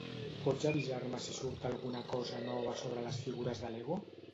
Pots avisar-me si surt alguna cosa nova sobre les figures de Lego?